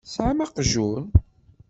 Tesɛam aqjun?